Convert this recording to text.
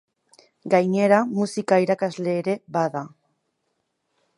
Gainera musika irakasle ere bada.